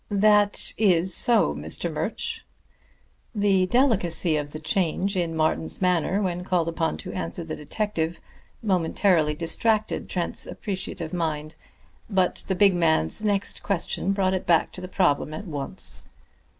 "That is so, Mr. Murch." The delicacy of the change in Martin's manner when called upon to answer the detective momentarily distracted Trent's appreciative mind. But the big man's next question brought it back to the problem at once.